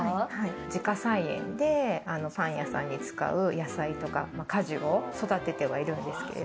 自家菜園でパン屋さんに使う野菜とか果樹を育ててはいるんですけれど。